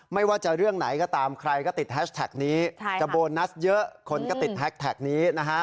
ไม่ว่าจะเรื่องไหนก็ตามใครก็ติดแฮชแท็กนี้จะโบนัสเยอะคนก็ติดแฮชแท็กนี้นะฮะ